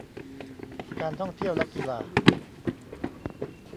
การท่องเที่ยวและกีฬา